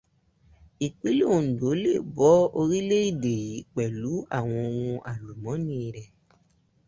Ìpínlẹ̀ Òǹdó lè bọ́ orílẹ̀-èdè yí pẹ̀lú àwọn ohun àlùmóọ́nì rẹ̀.